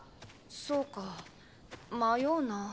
そうか迷うなぁ。